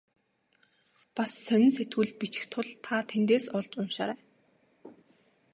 Бас сонин сэтгүүлд бичих тул та тэндээс олж уншаарай.